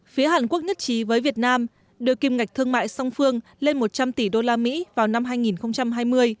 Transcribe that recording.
phía hàn quốc nhất trí với việt nam đưa kim ngạch thương mại song phương lên một trăm linh tỷ usd vào năm hai nghìn hai mươi